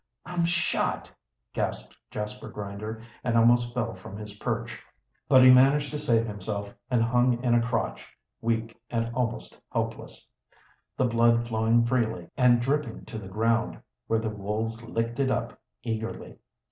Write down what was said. "I'm shot!" gasped Jasper Grinder, and almost fell from his perch. But he managed to save himself, and hung in a crotch, weak and almost helpless, the blood flowing freely and dripping to the ground, where the wolves licked it up eagerly.